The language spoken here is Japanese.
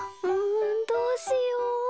うんどうしよう。